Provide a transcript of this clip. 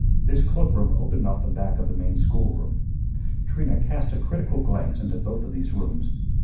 This cloakroom opened off the back of the main schoolroom. Trina cast a critical glance into both of these rooms.